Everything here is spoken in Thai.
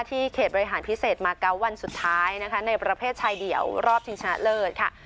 เขตบริหารพิเศษมาเกาะวันสุดท้ายนะคะในประเภทชายเดี่ยวรอบชิงชนะเลิศค่ะ